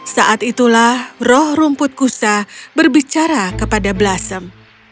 saat itulah roh rumput kusa berbicara kepada blasem